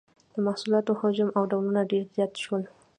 د محصولاتو حجم او ډولونه ډیر زیات شول.